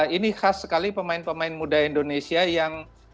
ini khas sekali pemain pemain muda indonesia yang